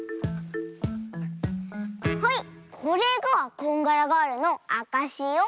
はいこれがこんがらガールのあかしよ！